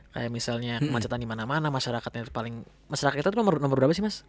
kayak misalnya kemacetan dimana mana masyarakatnya itu paling masyarakat kita itu nomor berapa sih mas